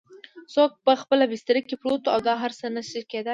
څوک په خپله بستره کې پروت وي دا هر څه نه شي کیدای؟